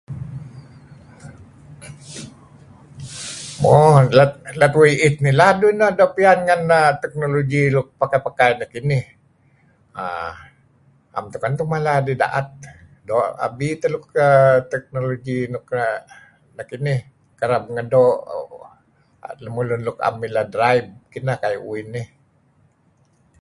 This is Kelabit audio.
Mo lat uih iit ngilad nah narih doo' piyan ngen tknologi-teknologi nuk pakai-pakai kinih. uhm am tungen tuih mala idih daet doo' abi teh teknologi nuk nekinih uhm kereb ngen doo uhm lemulun nuk am milah drive na' kayu' uih nih.